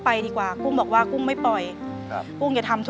เปลี่ยนเพลงเพลงเก่งของคุณและข้ามผิดได้๑คำ